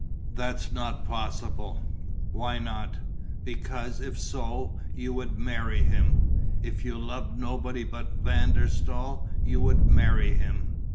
"That's not possible." "Why not?" "Because, if so, you would marry him. If you loved nobody but Van der Staal, you would marry him."